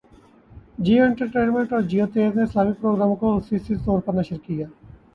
Jio entertainment اور جیو تیز نے اسلامی پروگراموں کو خصوصی طور پر نشر کیا